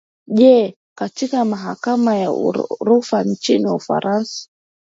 ji katika mahakama ya rufaa nchini ufarasa